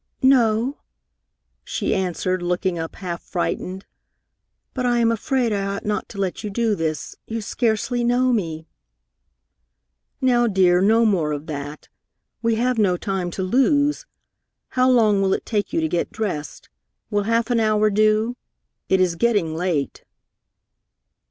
"No," she answered, looking up half frightened; "but I am afraid I ought not to let you do this. You scarcely know me." "Now, dear, no more of that. We have no time to lose. How long will it take you to get dressed? Will half an hour do? It is getting late."